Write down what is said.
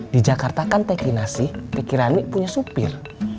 di jakarta kan teh kinasi teh kirani punya supir